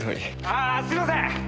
あーすいません！